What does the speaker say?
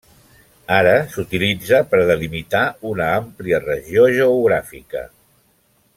Ara s'utilitza per a delimitar una àmplia regió geogràfica.